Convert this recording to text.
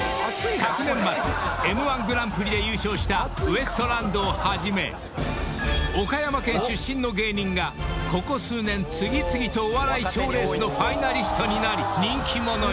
［昨年末Ｍ−１グランプリで優勝したウエストランドをはじめ岡山県出身の芸人がここ数年次々とお笑い賞レースのファイナリストになり人気者に］